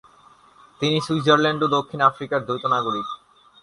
তিনি সুইজারল্যান্ড ও দক্ষিণ আফ্রিকার দ্বৈত নাগরিক।